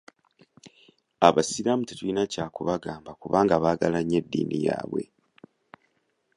Abasiraamu tetulina kya kubagamba kubanga baagala nnyo eddiini yaabwe.